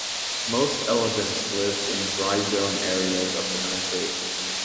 Most elephants lived in dry zone areas of the country.